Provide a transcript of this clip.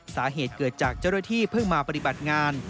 สาเหตุเกิดจากเจ้าหน้าที่เพิ่งมาปฏิบัติงาน